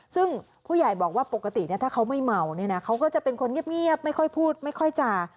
ซึ่งผู้ใหญ่บอกว่าปกติถ้าเขาไม่เมาเนี่ยนะเขาก็จะเป็นคนเงียบไม่ค่อยพูดไม่ค่อยจ่า